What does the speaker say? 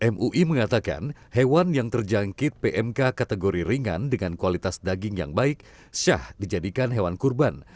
mui mengatakan hewan yang terjangkit pmk kategori ringan dengan kualitas daging yang baik syah dijadikan hewan kurban